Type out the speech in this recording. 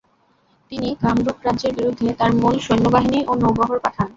তিনি কামরুপ রাজ্যের বিরুদ্ধে তার মূল সৈন্যবাহিনী ও নৌবহর পাঠান।